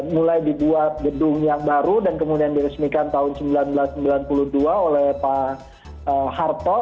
seribu sembilan ratus delapan puluh enam mulai dibuat gedung yang baru dan kemudian diresmikan tahun seribu sembilan ratus sembilan puluh dua oleh pak harto